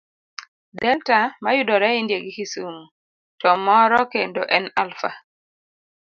Delta mayudore India gi Kisumu, to moro kendo en Alpha.